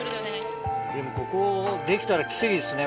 でもここできたら奇跡ですね